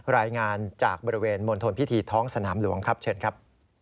รายงานจากบริเวณมณฑลพิธีท้องสนามหลวงครับเชิญครับ